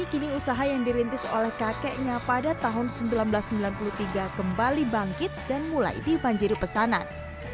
kini usaha yang dirintis oleh kakeknya pada tahun seribu sembilan ratus sembilan puluh tiga kembali bangkit dan mulai dibanjiri pesanan